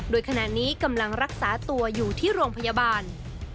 โดยขณะนี้กำลังรักษาตัวอยู่ที่โรงพยาบาล